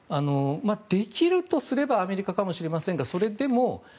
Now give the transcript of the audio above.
できるとすればアメリカかもしれませんがそれでも。